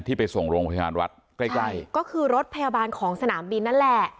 ไปส่งโรงพยาบาลวัดใกล้ใกล้ก็คือรถพยาบาลของสนามบินนั่นแหละ